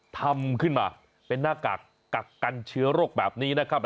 ทำขึ้นมาเป็นหน้ากากกักกันเชื้อโรคแบบนี้นะครับ